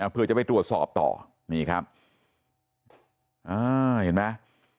เพื่อจะไปตรวจสอบต่อนี่ครับอ่าเห็นไหม